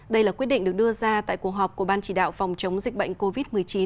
đây là quyết định được đưa ra tại cuộc họp của ban chỉ đạo phòng chống dịch bệnh covid một mươi chín